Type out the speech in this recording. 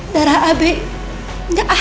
darah ab gak ada dimana mana lagi